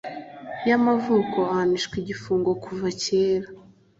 y amavuko ahanishwa igifungo kuva kera